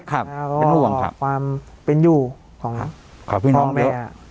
แล้วก็ความเป็นอยู่ของพ่อแม่